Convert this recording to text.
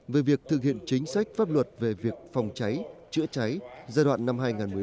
về việc thực hiện chính sách pháp luật về việc phòng cháy chữa cháy giai đoạn năm hai nghìn một mươi hai nghìn một mươi chín